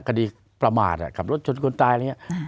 ประมาทขับรถชนคนตายอะไรอย่างนี้